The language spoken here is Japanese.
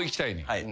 はい。